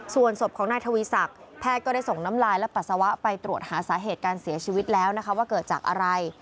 ส่วนศพของนายทวีศักดิ์แพทย์ก็ได้ส่งน้ำลายและปัสสาวะไปตรวจหาสาเหตุการเสียชีวิตแล้วนะคะว่าเกิดจากอะไร